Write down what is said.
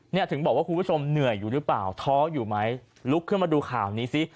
เนี่ยถึงบอกว่าคุณผู้ชมเหนื่อยอยู่หรือเปล่าท้ออยู่ไหมลุกขึ้นมาดูข่าวนี้สิ